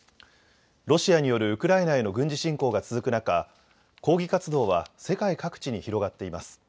ロシアによるウクライナへの軍事侵攻が続く中、抗議活動は世界各地に広がっています。